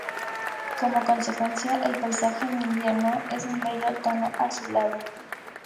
Como consecuencia, el paisaje en invierno es de un bello tono azulado.